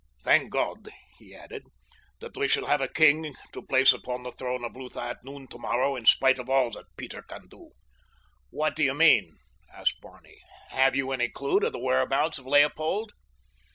Thank God," he added, "that we shall have a king to place upon the throne of Lutha at noon tomorrow in spite of all that Peter can do." "What do you mean?" asked Barney. "Have you any clue to the whereabouts of Leopold?"